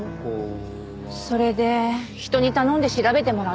それで人に頼んで調べてもらったの。